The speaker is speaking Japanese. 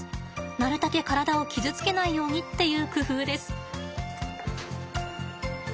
なるたけ体を傷つけないようにっていう工夫です。